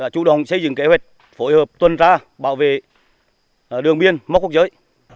chủ đồng xây dựng kế hoạch phối hợp tuân tra bảo vệ đường biên mắc quốc giới